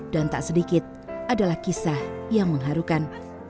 dan tak sedikit adalah kisah yang mengharukan